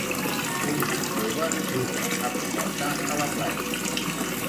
Un noi jove juga a pilota a la platja.